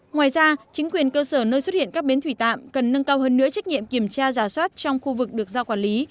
ngoài ra chính quyền cơ sở nơi xuất hiện các bến thủy tạm cần nâng cao hơn nữa trách nhiệm kiểm tra giả soát trong khu vực được giao quản lý